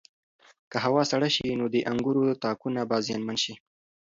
که هوا سړه شي نو د انګورو تاکونه به زیانمن شي.